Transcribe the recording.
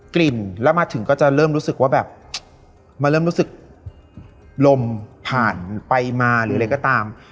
กลิ่นแล้วมาถึงก็จะเริ่มรู้สึกว่าแบบมันเริ่มรู้สึกลมผ่านไปมาหรืออะไรก็ตาม